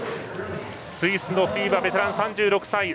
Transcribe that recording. スイスのフィーバベテラン、３６歳。